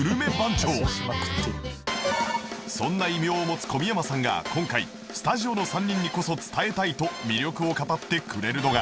そんな異名を持つ小宮山さんが今回スタジオの３人にこそ伝えたいと魅力を語ってくれるのが